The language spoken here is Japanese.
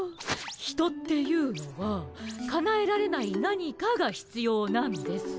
ヒトっていうのはかなえられない何かがひつようなんです。